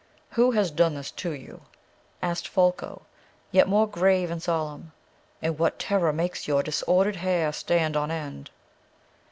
"Who has done that to you?" asked Folko, yet more grave and solemn. "And what terror makes your disordered hair stand on end?"